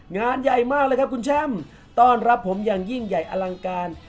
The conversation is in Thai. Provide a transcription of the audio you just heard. งานใหญ่มากเลยครับคุณแช่มต้อนรับผมอย่างยิ่งใหญ่อลังการ